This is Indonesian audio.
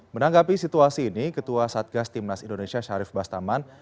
menanggapi situasi ini ketua satgas timnas indonesia syarif bastaman